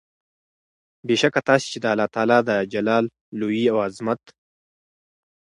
بې شکه تاسي چې د الله تعالی د جلال، لوئي او عظمت